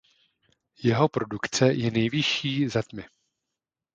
Jeho produkce je nejvyšší za tmy.